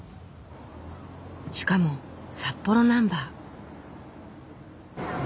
しかも札幌ナンバー。